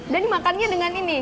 dan dimakannya dengan ini